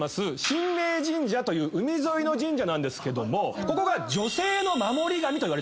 神明神社という海沿いの神社なんですけどもここが女性の守り神といわれてるんです。